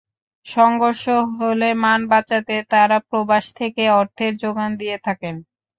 সংঘর্ষ হলে মান বাঁচাতে তাঁরা প্রবাস থেকে অর্থের জোগান দিয়ে থাকেন।